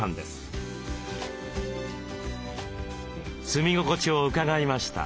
住み心地を伺いました。